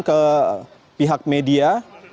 ke pihak media